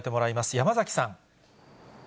山崎さん。